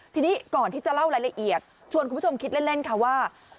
ทีนี้ก่อนที่จะเล่ารายละเอียดชวนคุณผู้ชมคิดเล่นค่ะว่า